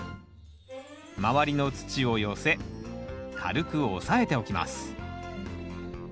周りの土を寄せ軽く押さえておきます。